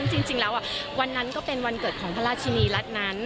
จริงแล้ววันนั้นก็เป็นวันเกิดของพระราชินีรัฐนั้น